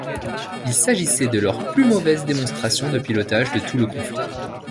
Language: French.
Il s'agissait de leurs plus mauvaises démonstrations de pilotage de tout le conflit.